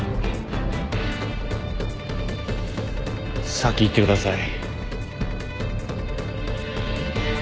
先行ってください。